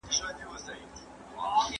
نایله وایي چې دا کار یې ویاړ دی.